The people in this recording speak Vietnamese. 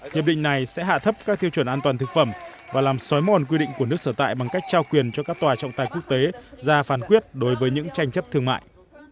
hiệp định này sẽ hạ thấp các tiêu chuẩn an toàn thực phẩm và làm xói mòn quy định của nước sở tại bằng cách trao quyền cho các tòa trọng tài quốc tế ra phán quyết đối với những tranh chấp thương mại